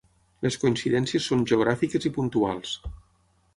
Les coincidències són geogràfiques i puntuals.